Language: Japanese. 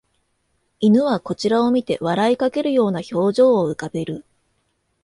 犬はこちらを見て笑いかけるような表情を浮かべる